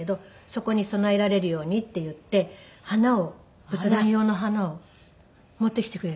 そこに供えられるようにっていって花を仏壇用の花を持ってきてくれて。